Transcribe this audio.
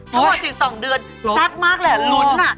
ถ้าต่อเจ็บ๒เดือนแปลกมากแหละลุ้นอ่ะ